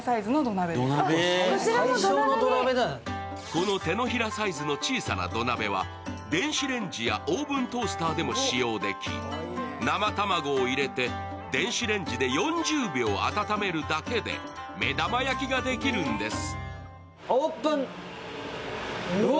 この手のひらサイズの小さな土鍋は、電子レンジやオーブントースターでも使用でき、生卵を入れて電子レンジで４０秒温めるだけで目玉焼きができるんです。